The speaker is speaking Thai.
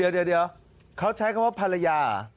เดี๋ยวเขาใช้คำว่าภรรยา